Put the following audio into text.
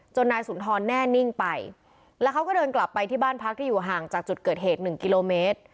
นายสุนทรแน่นิ่งไปแล้วเขาก็เดินกลับไปที่บ้านพักที่อยู่ห่างจากจุดเกิดเหตุหนึ่งกิโลเมตร